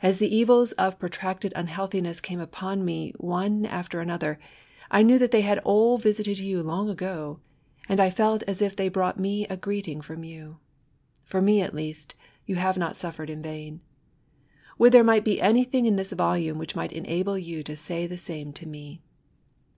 As the evils of protracted unhealthiness came upon me, one after another, I knew that they had all visited you long ago ; and I felt as if they brought me a greeting from you. For me, at least, you have not suffered in vain. Would there might be any thing in this volume which might enable you to say the same to me